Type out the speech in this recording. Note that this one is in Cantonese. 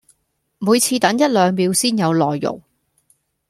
每次等一兩秒先有內容